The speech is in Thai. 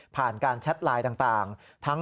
ผ่านการแชทไลน์ต่าง